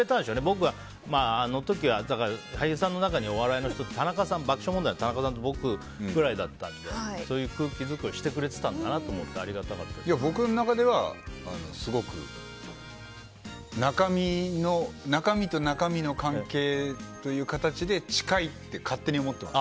僕はあの時は俳優さんの中にお笑いの人が爆笑問題の田中さんと僕だけだったのでそういう空気作りをしてくれてたんだなと思って僕の中では、すごく中身と中身の関係という形で近いって勝手に思ってます。